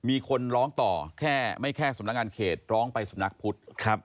อ่ะก็แก้ไขปัญหาไปก็แล้วกัน